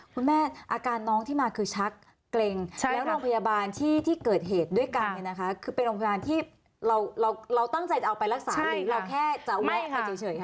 อาการน้องที่มาคือชักเกร็งแล้วโรงพยาบาลที่เกิดเหตุด้วยกันเนี่ยนะคะคือเป็นโรงพยาบาลที่เราตั้งใจจะเอาไปรักษาหรือเราแค่จะแวะไปเฉยค่ะ